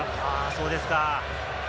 そうですか。